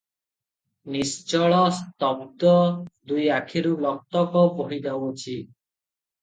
ନିଶ୍ଚଳ, ସ୍ତବ୍ଧଧ ଦୁଇ ଆଖିରୁ ଲୋତକ ବହିଯାଉଅଛି ।